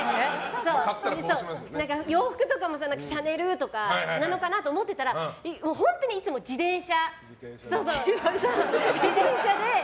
洋服とかもシャネルとかなのかなと思ってたら本当に、いつも自転車で。